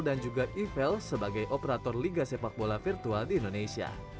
dan juga evel sebagai operator liga sepak bola virtual di indonesia